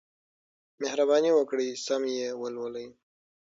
مهرباني وکړئ سم یې ولولئ.